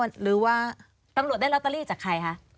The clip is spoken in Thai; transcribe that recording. ตำรวจได้ลอตเตอรี่จากใครฮะ